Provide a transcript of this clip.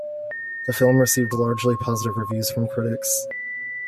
The film received largely positive reviews from critics.